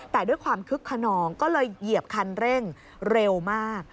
แต่ด้วยความคึกขนองก็เลยเหยียบคันเร่งเร็วมาก